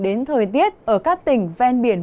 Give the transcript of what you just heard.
đến thời tiết ở các tỉnh ven biển